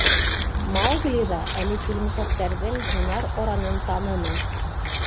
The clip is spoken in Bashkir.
Маугли ҙа әле Килмешәктәрҙең һунар оранын таныны.